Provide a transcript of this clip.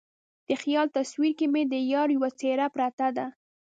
د خیال تصویر کې مې د یار یوه څیره پرته ده